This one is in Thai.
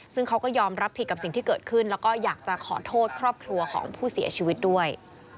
ซึ่งเขาก็ยอมรับผิดกับสิ่งที่เกิดขึ้นแล้วก็อยากจะขอโทษครอบครัวของผู้เสียชีวิตด้วย